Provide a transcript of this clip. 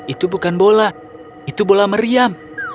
itu bukan bola itu bola meriam